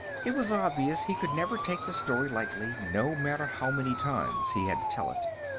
It was obvious he could never take the story lightly, no matter how many times he had to tell it.